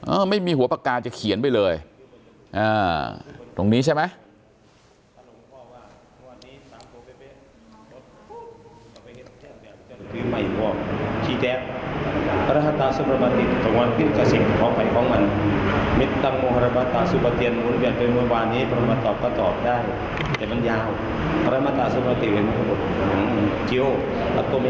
ไม่มีหัวปากกาจะเขียนไปเลยอ่าตรงนี้ใช่ไหม